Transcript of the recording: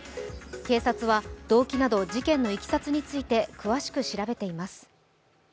警察は動機など事件のいきさつについて詳しく調べています。